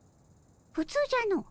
ふつうじゃの。